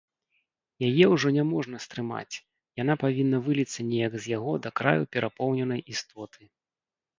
Яе ўжо няможна стрымаць, яна павінна выліцца неяк з яго да краю перапоўненай істоты.